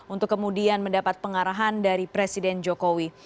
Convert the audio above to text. untuk kemudian mendapat pengarahan dari presiden jokowi